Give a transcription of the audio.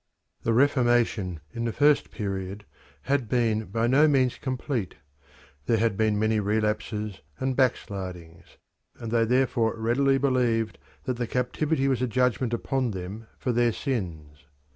The reformation in the first period had been by no means complete: there had been many relapses and backslidings, and they therefore readily believed that the captivity was a judgment upon them for their sins.